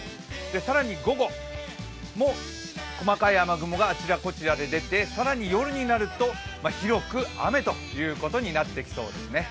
更に午後も細かい雨雲があちらこらちに出て更に夜になると、広く雨ということになってきそうですね。